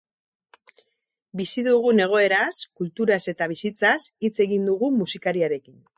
Bizi dugun egoeraz, kulturaz eta bizitzaz hitz egin dugu musikariarekin.